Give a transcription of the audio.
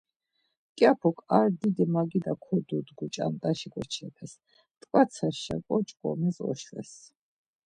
Mǩyapuk ar didi magida kodudgu ç̌andaşi ǩoçepes, t̆ǩvatsesşa oç̌ǩomes, oşves.